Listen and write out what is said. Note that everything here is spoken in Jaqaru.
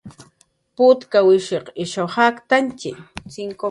Putkawishiq ishaw jaktantantxi